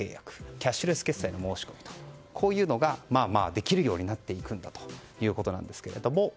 キャッシュレス決済の申し込みとこういうのができるようになっていくということですが。